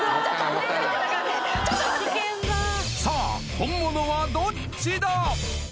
本物はどっちだ